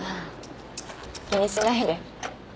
気にしないで。